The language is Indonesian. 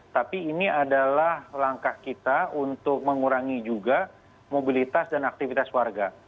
tapi ini adalah langkah kita untuk mengurangi juga mobilitas dan aktivitas warga